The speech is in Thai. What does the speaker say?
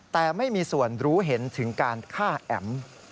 แต่ไม่มีส่วนรู้เห็นถึงการฆ่าแอ๋ม